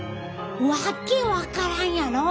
わっけ分からんやろ。